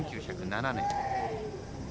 １９０７年。